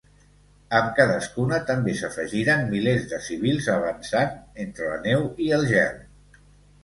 Amb cadascuna també s'afegiren milers de civils, avançant entre la neu i el gel.